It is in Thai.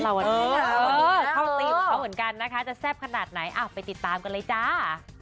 ต่อกันเลยนะคะจะแซ่บขนาดไหนไปติดตามกันเลยจ้า